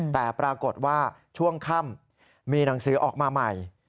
แต่ปรากฏว่าช่วงค่ำมีหนังสือออกมาใหม่